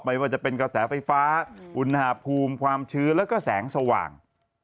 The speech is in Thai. ไม่ว่าจะเป็นกระแสไฟฟ้าอุณหภูมิความชื้นแล้วก็แสงสว่าง